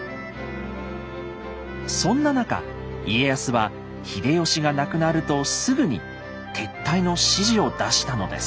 そんな中家康は秀吉が亡くなるとすぐに撤退の指示を出したのです。